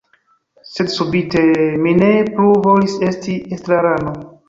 Sed subite… mi ne plu volis esti estrarano.